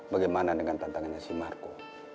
bagaimana dengan tantangannya si marco